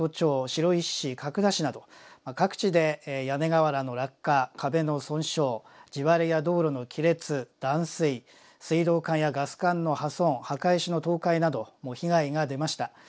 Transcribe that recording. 白石市角田市など各地で屋根瓦の落下壁の損傷地割れや道路の亀裂断水水道管やガス管の破損墓石の倒壊など被害が出ました。